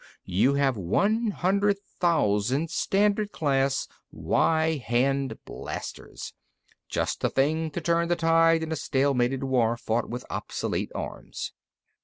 You have one hundred thousand Standard class Y hand blasters. Just the thing to turn the tide in a stalemated war fought with obsolete arms."